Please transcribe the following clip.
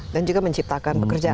dan juga menciptakan pekerjaan